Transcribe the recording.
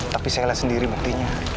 tapi saya lihat sendiri buktinya